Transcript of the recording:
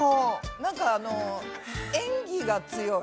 なんかあの演技が強い。